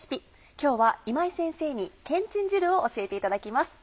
今日は今井先生に「けんちん汁」を教えていただきます。